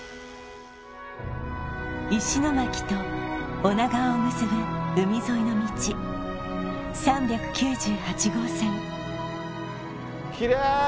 石巻と女川を結ぶ海沿いの道３９８号線キレイ！